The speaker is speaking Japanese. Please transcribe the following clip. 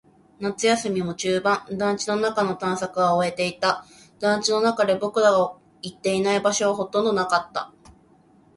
夏休みも中盤。団地の中の探索は終えていた。団地の中で僕らが行っていない場所はほとんどなかった。